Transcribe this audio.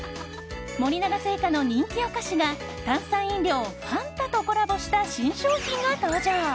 森永製菓の人気お菓子が炭酸飲料ファンタとコラボした新商品が登場。